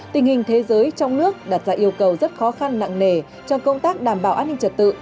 tình hình thế giới trong nước đặt ra yêu cầu rất khó khăn nặng nề cho công tác đảm bảo an ninh trật tự